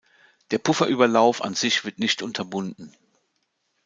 Der Pufferüberlauf an sich wird nicht unterbunden.